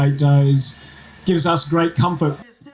itu memberi kita semangat